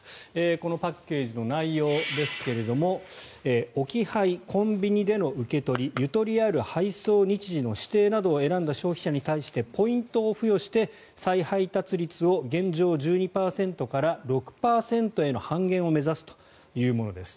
このパッケージの内容ですが置き配、コンビニでの受け取りゆとりある配送日時の指定などを選んだ消費者に対してポイントを付与して再配達率を現状１２％から６％への半減を目指すというものです。